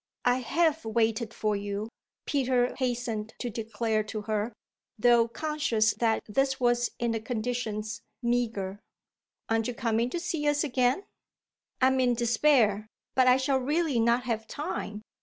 I have waited for you," Peter hastened to declare to her, though conscious that this was in the conditions meagre. "Aren't you coming to see us again?" "I'm in despair, but I shall really not have time.